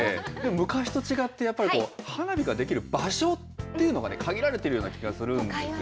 昔と違って、やっぱり花火ができる場所っていうのがね、限られているような気がするんですよね。